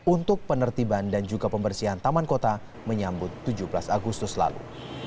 untuk penertiban dan juga pembersihan taman kota menyambut tujuh belas agustus lalu